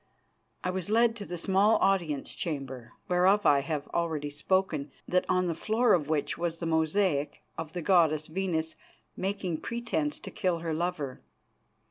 I was led to the small audience chamber, whereof I have already spoken, that on the floor of which was the mosaic of the goddess Venus making pretence to kill her lover.